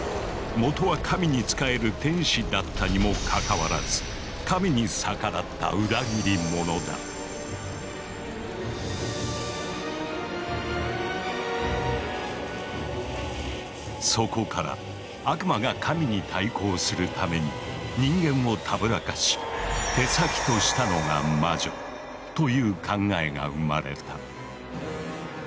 もとは神に仕える天使だったにもかかわらずそこから悪魔が神に対抗するために人間をたぶらかし手先としたのが魔女という考えが生まれた。